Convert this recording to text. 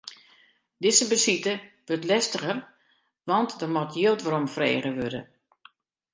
Dizze besite wurdt lestiger, want der moat jild weromfrege wurde.